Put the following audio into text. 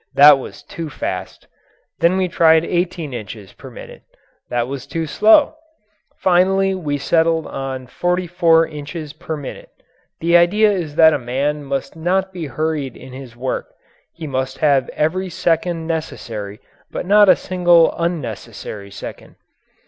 That was too fast. Then we tried eighteen inches per minute. That was too slow. Finally we settled on forty four inches per minute. The idea is that a man must not be hurried in his work he must have every second necessary but not a single unnecessary second.